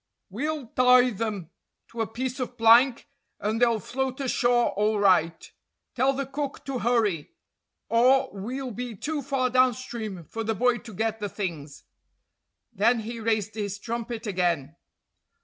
We'll tie them to a piece of plank, and they'll float ashore all right. Tell the cook to hurry, or we'll be too far downstream for the boy to get the things." Then he raised his trumpet again.